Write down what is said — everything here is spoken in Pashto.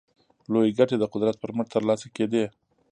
لویې ګټې د قدرت پر مټ ترلاسه کېدې.